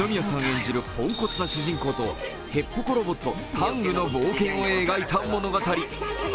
演じるポンコツナ主人公とへっぽこロボット、タングの冒険を描いた物語。